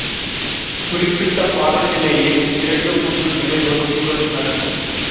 குறிப்பிட்ட பாடத்திலேயே இரண்டு மூன்று நிலை வகுப்புகள் நடக்கும்.